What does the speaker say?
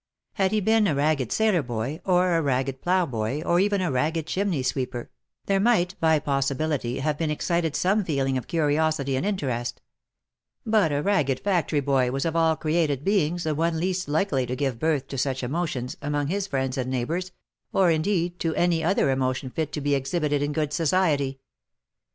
Had he been a ragged sailor boy, or a ragged plough boy, or even a ragged chimney sweeper, there might by possibility have been excited some feeling of curiosity and interest ; but a ragged factory boy was of all created beings the one least likely to give birth to such emotions, among his friends and neighbours, or indeed to any other emotion fit to be exhibited in good society.